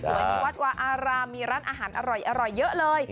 มีวัดวาอารามมีร้านอาหารอร่อยเยอะเลย